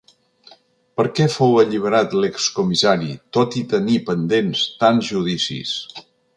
Per què fou alliberat l’ex-comissari, tot i tenir pendents tants judicis?